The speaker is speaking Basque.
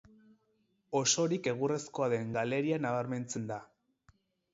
Osorik egurrezkoa den galeria nabarmentzen da.